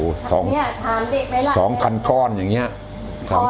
ซื้อทีนั้นโอ้โห๒คันก้อนอย่างนี้สามหมื่น